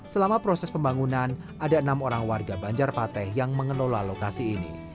selama proses pembangunan ada enam orang warga banjarpateh yang mengelola lokasi ini